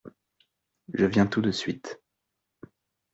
Je viens tout de suite.